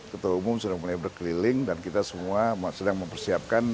ketua umum sudah mulai berkeliling dan kita semua sedang mempersiapkan